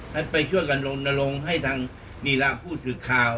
ให้ไปช่วยกันโรนลงให้ทางนิราภูติศึกข่าว